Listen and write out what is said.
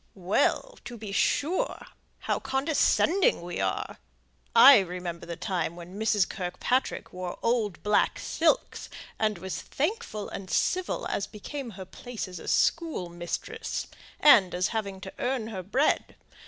"Well, to be sure! How condescending we are! I remember the time when Mrs. Kirkpatrick wore old black silks, and was thankful and civil as became her place as a schoolmistress, and as having to earn her bread.